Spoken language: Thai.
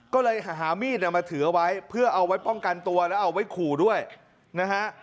ก็เลยหามีดมาถือเอาไว้เพื่อเอาไว้ป้องกันตัวแล้วเอาไว้ขู่ด้วยนะฮะ